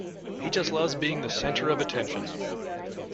He just loves being the center of attention.